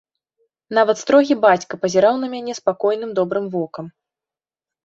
Нават строгі бацька пазіраў на мяне спакойным добрым вокам.